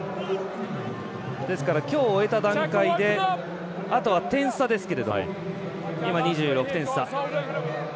ですから今日を終えた段階であとは点差ですけれども今、２６点差。